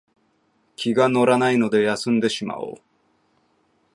気が乗らないので休んでしまおう